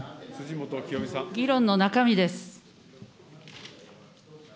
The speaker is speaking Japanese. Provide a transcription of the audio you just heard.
議論の中身です。